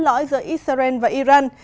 lõi giữa israel và iran